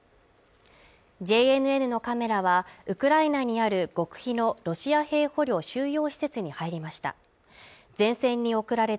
ＪＮＮのカメラはウクライナにある極秘のロシア兵捕虜収容施設に入りました